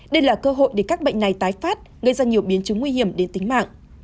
đây là cơ hội để các bệnh này tái phát gây ra nhiều biến chứng nguy hiểm đến tính mạng